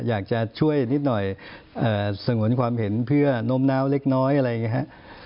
อยากจะช่วยนิดหน่อยส่งหวนความเห็นเพื่อนมนารเล็กน้อยอะไรแบบนี้ฮะ